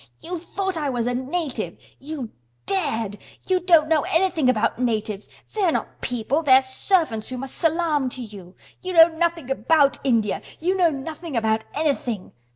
"You thought I was a native! You dared! You don't know anything about natives! They are not people—they're servants who must salaam to you. You know nothing about India. You know nothing about anything!"